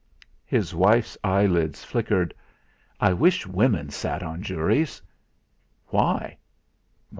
His wife's eyelids flickered. "I wish women sat on juries." "Why?"